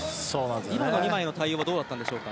今の２枚の対応はどうだったんですか？